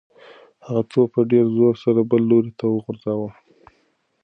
هغه توپ په ډېر زور سره بل لوري ته وغورځاوه.